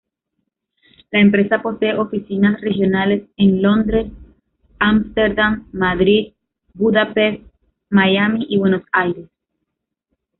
La empresa posee oficinas regionales en: Londres, Ámsterdam, Madrid, Budapest, Miami y Buenos Aires.